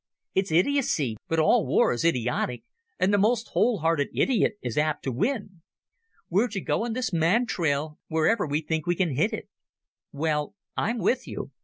It's idiocy, but all war is idiotic, and the most whole hearted idiot is apt to win. We're to go on this mad trail wherever we think we can hit it. Well, I'm with you.